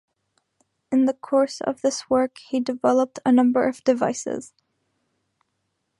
In the course of his work he developed a number of devices.